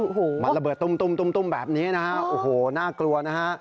โอ้โหมันระเบิดตุ้มตุ้มตุ้มแบบนี้นะฮะโอ้โหน่ากลัวนะฮะ